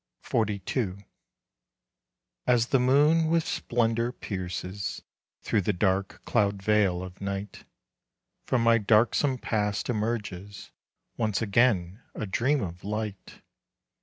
XLII. As the moon with splendor pierces Through the dark cloud veil of night, From my darksome Past emerges Once again a dream of light.